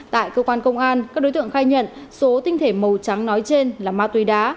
tại cơ quan công an các đối tượng khai nhận số tinh thể màu trắng nói trên là ma túy đá